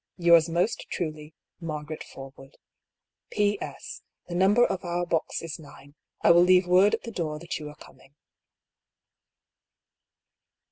" Yours most truly, " Margaret Forwood. " P. S. — The number of our box is 9. I will leave word at the door that you are coming."